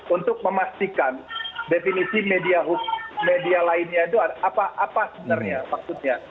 untuk memastikan definisi media lainnya itu apa sebenarnya maksudnya